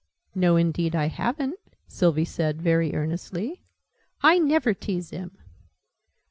"No, indeed I haven't!" Sylvie said, very earnestly. "I never tease him!"